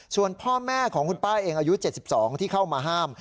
ส่วนพ่อแม่ของคุณป้าเองอายุ๗๒ที่เข้ามาห้าม